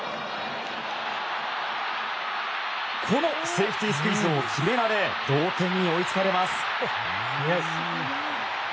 セーフティースクイズを決められ同点に追いつかれます。